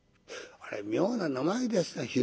あれ妙な名前ですね